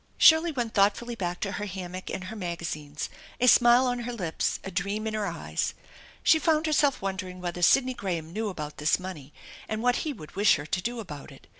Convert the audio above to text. Shirley went thoughtfully back to her hammock and her 336 THE ENCHANTED BARN magazines, a smile on her lips, a dream in her eyes. She found herself wondering whether Sidney Graham knew about this money and what he would wish her to do about it.